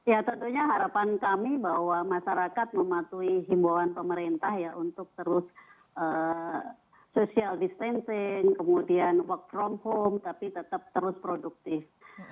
ya tentunya harapan kami bahwa masyarakat mematuhi himbauan pemerintah ya untuk terus social distancing kemudian work from home tapi tetap terus produktif